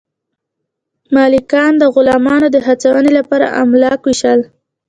مالکانو د غلامانو د هڅونې لپاره املاک وویشل.